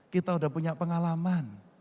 kita udah punya pengalaman